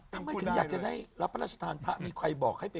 ทำไมถึงอยากจะได้รับพระราชทานพระมีใครบอกให้ไป